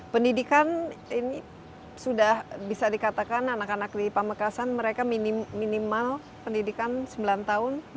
pendidikan ini sudah bisa dikatakan anak anak di pamekasan mereka minimal pendidikan sembilan tahun